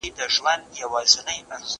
زه اوس مړۍ خورم!